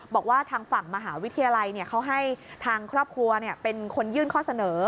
บอกว่าทางฝั่งมหาวิทยาลัยเขาให้ทางครอบครัวเป็นคนยื่นข้อเสนอ